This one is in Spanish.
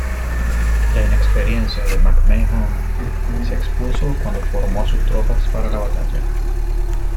La inexperiencia de MacMahon se expuso cuando formó a sus tropas para la batalla.